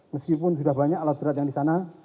meskipun sudah banyak alat berat yang di sana